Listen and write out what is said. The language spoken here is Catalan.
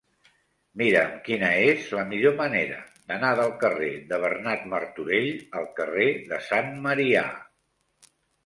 Mira'm quina és la millor manera d'anar del carrer de Bernat Martorell al carrer de Sant Marià.